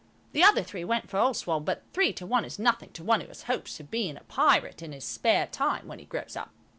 The other three went for Oswald, but three to one is nothing to one who has hopes of being a pirate in his spare time when he grows up.